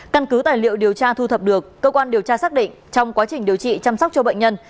căn cứ tài liệu điều tra thu thập được cơ quan điều tra xác định trong quá trình điều trị chăm sóc cho bệnh nhân